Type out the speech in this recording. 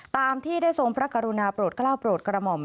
ตามที่ได้ทรงพระกรุณาโปรดกล้าวโปรดกระหม่อม